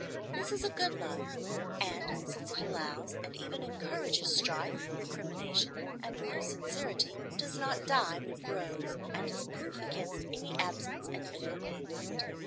This is a good love, and, since it allows, and even encourages, strife, recrimination, and brutal sincerity, does not die, but grows, and is proof against any absence and evil conduct.